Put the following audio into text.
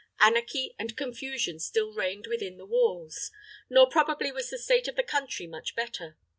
Anarchy and confusion still reigned within the walls: nor probably was the state of the country much better.